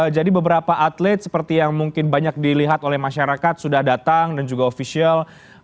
jadi beberapa atlet seperti yang mungkin banyak dilihat oleh masyarakat sudah datang dan juga ofisial